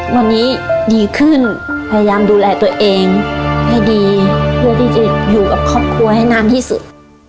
วันนี้ดีขึ้นพยายามดูแลตัวเองให้ดีเพื่อที่จะอยู่กับครอบครัวให้นานที่สุด